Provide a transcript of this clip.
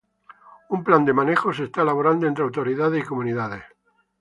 Un Plan de manejo se está elaborando entre autoridades y comunidades.